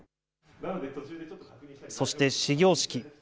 そして始業式。